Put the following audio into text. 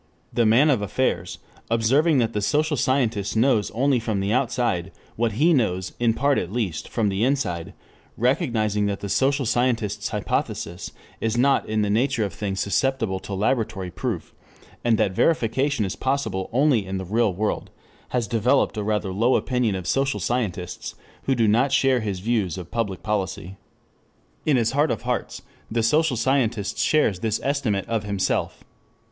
The man of affairs, observing that the social scientist knows only from the outside what he knows, in part at least, from the inside, recognizing that the social scientist's hypothesis is not in the nature of things susceptible of laboratory proof, and that verification is possible only in the "real" world, has developed a rather low opinion of social scientists who do not share his views of public policy. In his heart of hearts the social scientist shares this estimate of himself.